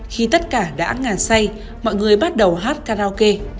khi tất cả đã ngàn say mọi người bắt đầu hát karaoke